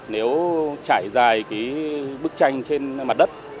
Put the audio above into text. nếu trải dài cái bức tranh trên mặt đất